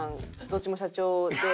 どっちも社長で。